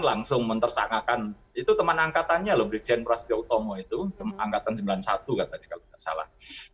langsung mentersanggahkan itu teman angkatannya loh brigjen prasetyo komo itu angkatan sembilan puluh satu kan tadi kalau tidak salah